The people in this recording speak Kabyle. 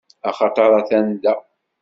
Axaṭeṛ atan da.